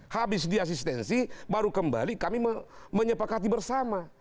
habis di asistensi baru kembali kami menyepak hati bersama